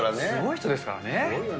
すごい人ですからね。